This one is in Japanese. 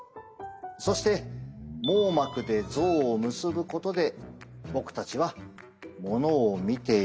そして網膜で像を結ぶことで僕たちはものを見ているでしたよね。